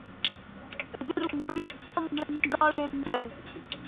எதிர்முடுக்கம் என்றால் என்ன?